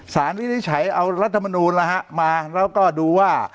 ศาลวิทชัยเอาระธรรมนูลล่ะฮะมาแล้วก็ดูว่า